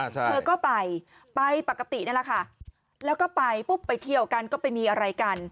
เธอก็ไปไปปกตินั่นแหละค่ะแล้วก็ไปปุ๊บไปเที่ยวกันก็ไปมีอะไรกัน